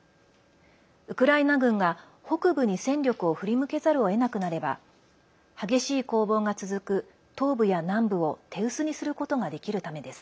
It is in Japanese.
ウクライナ軍が北部に戦力を振り向けざるをえなくなれば激しい攻防が続く東部や南部を手薄にすることができるためです。